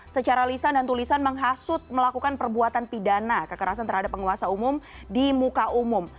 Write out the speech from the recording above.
secara lisan dan tulisan menghasut melakukan perbuatan pidana kekerasan terhadap penguasa umum di muka umum